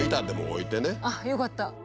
あっよかった。